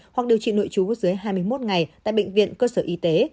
hoặc điều trị nội trú dưới hai mươi một ngày tại bệnh viện cơ sở y tế